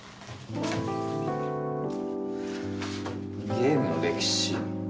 ゲームの歴史？